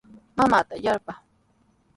Mamaata yarpaa.